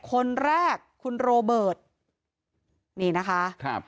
คนแรกคุณโรเบิร์ตนี่นะคะครับ